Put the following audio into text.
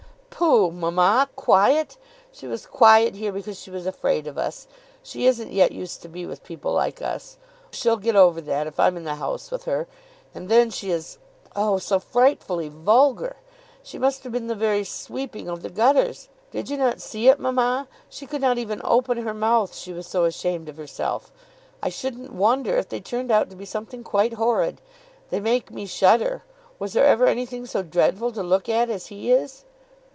"Pooh, mamma! Quiet! She was quiet here because she was afraid of us. She isn't yet used to be with people like us. She'll get over that if I'm in the house with her. And then she is, oh! so frightfully vulgar! She must have been the very sweeping of the gutters. Did you not see it, mamma? She could not even open her mouth, she was so ashamed of herself. I shouldn't wonder if they turned out to be something quite horrid. They make me shudder. Was there ever anything so dreadful to look at as he is?"